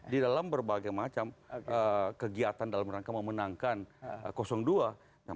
di dalam berbagai macam kegiatan dalam rangka memenangkan dua